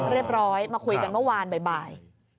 เรียบร้อยมาคุยกันเมื่อวานบ่าย